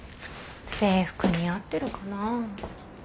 制服似合ってるかなあ。